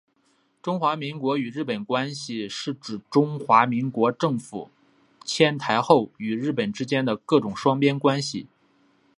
中华民国与日本关系是指中华民国政府迁台后与日本国之间的各种双边关系。